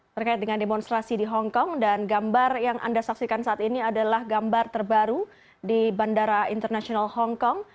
terkait dengan demonstrasi di hongkong dan gambar yang anda saksikan saat ini adalah gambar terbaru di bandara internasional hongkong